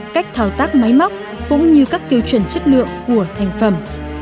cách thao tác máy móc cũng như các tiêu chuẩn chất lượng của thành phẩm